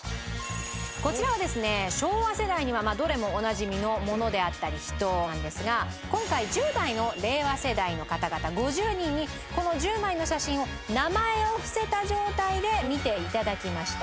こちらはですね昭和世代にはどれもおなじみのものであったり人なんですが今回１０代の令和世代の方々５０人にこの１０枚の写真を名前を伏せた状態で見て頂きました。